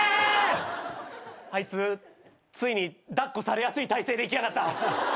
あいつついに抱っこされやすい体勢で行きやがった。